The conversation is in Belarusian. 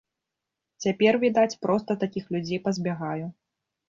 Цяпер, відаць, проста такіх людзей пазбягаю.